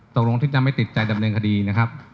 ตกลงที่จะไม่ติดใจดำเนินคดีนะครับ